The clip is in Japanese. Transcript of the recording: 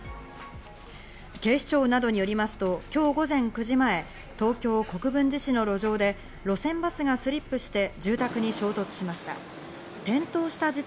警視庁などによりますと、今日午前９時前、東京・国分寺市の路上で路線バスがスリップして住宅に衝突しました。